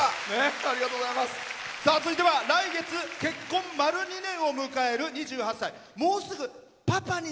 続いては来月結婚丸２年を迎える２８歳。